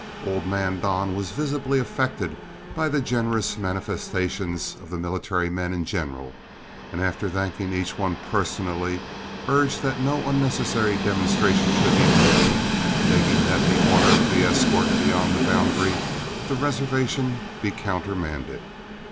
Old man Don was visibly affected by the generous manifestations of the military men in general, and after thanking each one personally, urged that no unnecessary demonstration should be made, begging that the order of escort beyond the boundary of the reservation be countermanded.